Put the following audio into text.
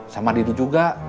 sama diri juga